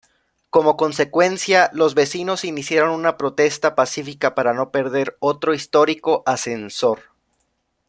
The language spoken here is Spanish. Como consecuencia, los vecinos iniciaron una protesta pacífica para no perder otro histórico ascensor.